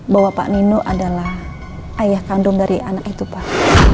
bahwa pak nino adalah ayah kandung dari anak itu pak